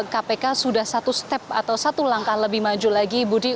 kpk sudah satu langkah lebih maju lagi budi